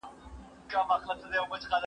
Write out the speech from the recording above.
زه پرون کار کوم؟!